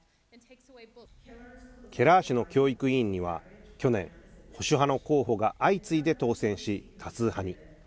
ケラー市の教育委員には去年保守派の候補が相次いで当選し多数派に。